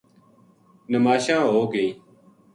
نماشاں ہوگئی